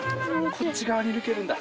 こっち側に抜けるんだ。